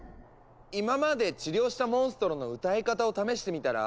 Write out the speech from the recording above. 今まで治療したモンストロの歌い方を試してみたら？